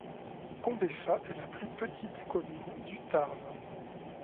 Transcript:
Combefa est la plus petite commune du Tarn.